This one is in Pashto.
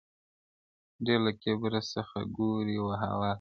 ډېر له کیبره څخه ګوري و هوا ته.